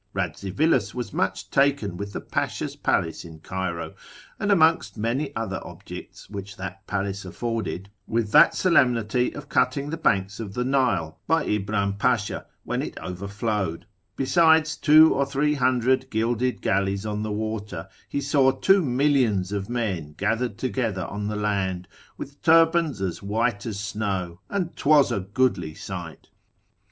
Radzivilus was much taken with the pasha's palace in Cairo, and amongst many other objects which that place afforded, with that solemnity of cutting the banks of the Nile by Imbram Pasha, when it overflowed, besides two or three hundred gilded galleys on the water, he saw two millions of men gathered together on the land, with turbans as white as snow; and 'twas a goodly sight.